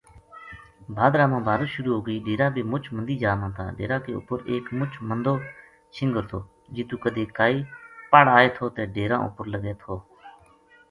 بھادرا ما بارش شروع ہو گئی ڈیرا بے مُچ مندی جا ما تھا ڈیرا کے اُپر ایک مُچ مندو شنگر تھو جِتو کدے کائی پڑ آئے تھو تے ڈیراں اپر لگے تھو۔